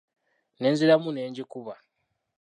Nenziramu n'engikuba.